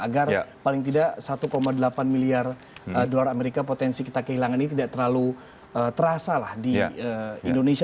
agar paling tidak satu delapan miliar dolar amerika potensi kita kehilangan ini tidak terlalu terasa lah di indonesia